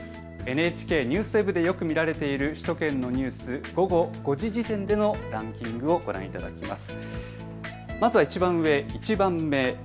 ＮＨＫＮＥＷＳＷＥＢでよく見られている首都圏のニュース、午後５時時点でのランキングをご覧いただけます。